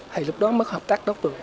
thì lúc đó mất hợp tác đó được